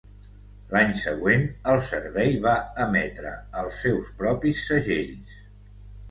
L'any següent, el servei va emetre els seus propis segells.